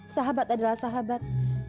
sahabat adalah sahabat